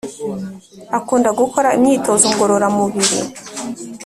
akunda gukora imyitozo ngorora mubiri